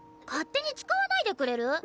勝手に使わないでくれる？